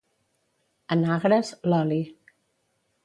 En Agres, l'oli.